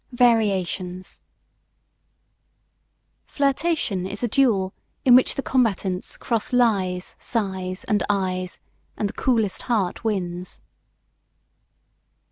VARIATIONS FLIRTATION is a duel in which the combatants cross lies, sighs and eyes and the coolest heart wins.